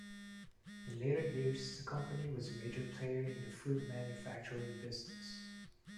In later years the company was a major player in the food manufacturing business.